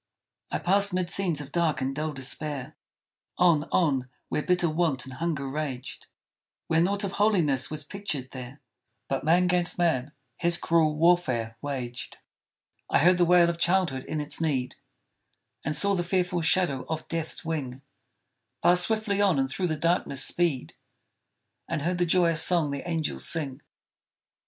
I passed 'mid scenes of dark and dull despair, On, on, where bitter want and hunger raged; Where naught of holiness was pictured there, But man 'gainst man his cruel warfare waged! I heard the wail of childhood in its need, And saw the fearful shadow of Death's wing Pass swiftly on and through the darkness speed, And heard the joyous song the angels sing!